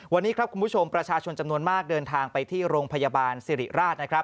วันนี้ครับคุณผู้ชมประชาชนจำนวนมากเดินทางไปที่โรงพยาบาลสิริราชนะครับ